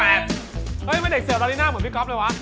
เอ้ยไม่ได้เด็กเสือดราลิน่าเหมือนพี่ก๊อฟเลยวะ